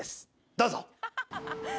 どうぞ。